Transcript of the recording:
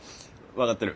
分かってる。